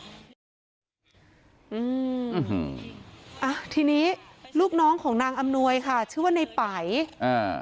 อืมอ่ะทีนี้ลูกน้องของนางอำนวยค่ะชื่อว่าในไปอ่า